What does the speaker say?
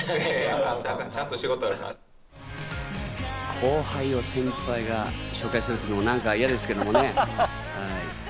後輩を先輩が紹介するというのもなんか嫌ですけどね。